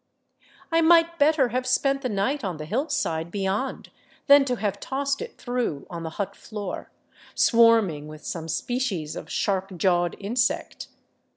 I might better have spent the night on the hillside beyond, than to have tossed it through on the hut floor, swarming with some species of shark jawed insect.